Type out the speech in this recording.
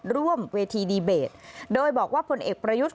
ร่วมเวทีดีเบตโดยบอกว่าผลเอกประยุทธ์